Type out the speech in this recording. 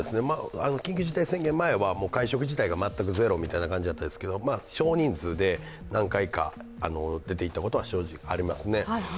緊急事態宣言前は会食自体が全くゼロという感じだったんですが少人数で何回か出ていったことはありますね。